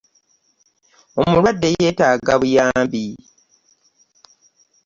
Omulwadde yeetaaga buyambi.